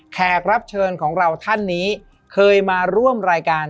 แขกรับเชิญของเราท่านนี้เคยมาร่วมรายการ